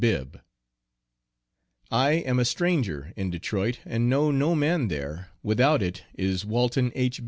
Bibb I am a stranger in Detroit and know no man there without it is Walton H.